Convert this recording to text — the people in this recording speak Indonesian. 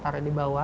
taruh di bawah